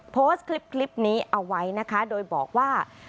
โพสต์คลิปนี้เอาไว้นะคะโดยบอกว่า